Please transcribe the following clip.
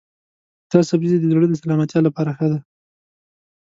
دا سبزی د زړه د سلامتیا لپاره ښه دی.